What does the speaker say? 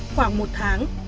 khoảng một tháng